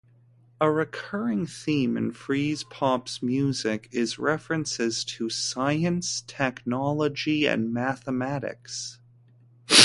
A recurring theme in Freezepop's music is references to science, technology, and mathematics.